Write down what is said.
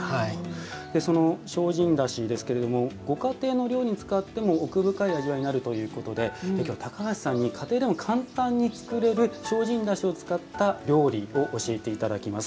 その精進だしですけれどもご家庭の料理に使っても奥深い味わいになるということで今日は高橋さんに家庭でも簡単に作れる精進だしを使った料理を教えていただきます。